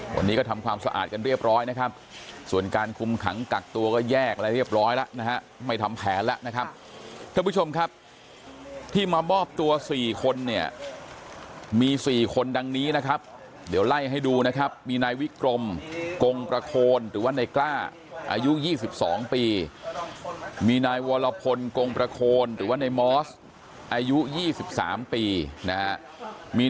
วันนี้ก็ทำความสะอาดกันเรียบร้อยนะครับส่วนการคุมขังกักตัวก็แยกอะไรเรียบร้อยแล้วนะฮะไม่ทำแผนแล้วนะครับท่านผู้ชมครับที่มามอบตัว๔คนเนี่ยมี๔คนดังนี้นะครับเดี๋ยวไล่ให้ดูนะครับมีนายวิกรมกงประโคนหรือว่าในกล้าอายุ๒๒ปีมีนายวรพลกงประโคนหรือว่าในมอสอายุ๒๓ปีนะฮะมี